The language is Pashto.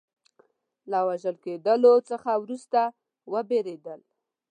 له وژل کېدلو څخه وروسته وبېرېدل.